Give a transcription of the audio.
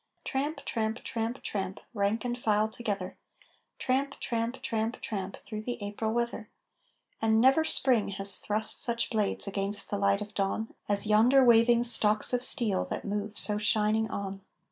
Tramp, tramp, tramp, tramp, Rank and file together Tramp, tramp, tramp, tramp, Through the April weather. And never Spring has thrust such blades against the light of dawn As yonder waving stalks of steel that move so shining on!